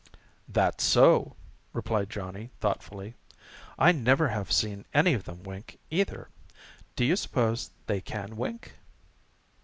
"That's so," replied Johnny thoughtfully. "I never have seen any of them wink, either. Do you suppose they can wink?"